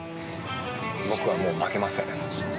◆僕は、もう負けません。